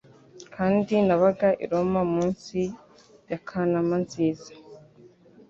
kandi nabaga i Roma munsi ya Kanama nziza